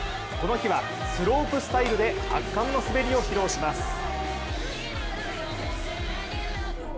この日はスロープスタイルで圧巻の滑りを披露します。